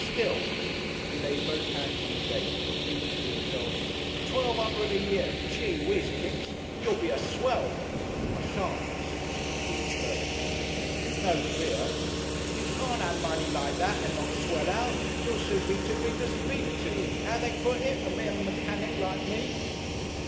Still " He laid both hands on the gate and repeated to himself, "Twelve 'undred a year.... Gee Whizz, Kipps! You'll be a swell!" "I shan't," said Kipps with imperfect conviction. "No fear." "You can't 'ave money like that and not swell out. You'll soon be too big to speak to 'ow do they put it? a mere mechanic like me."